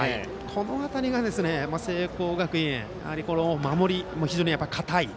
この辺りが聖光学院守りが非常に堅い。